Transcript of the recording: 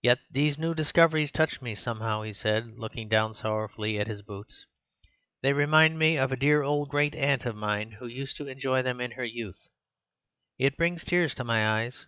Yet these new discoveries touch me, somehow," he said, looking down sorrowfully at his boots. "They remind me of a dear old great aunt of mine who used to enjoy them in her youth. It brings tears to my eyes.